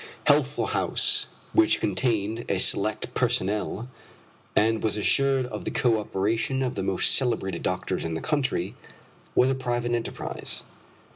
Healthful House, which contained a select personnel, and was assured of the co operation of the most celebrated doctors in the country, was a private enterprise.